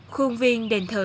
khuôn viên đền thờ